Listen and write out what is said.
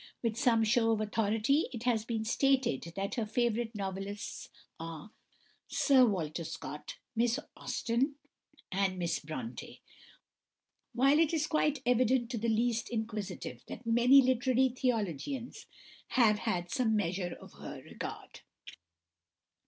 With some show of authority it has been stated that her favourite novelists are Sir Walter Scott, Miss Austen, and Miss Brontë; while it is quite evident to the least inquisitive that many literary theologians have had some measure of her regard.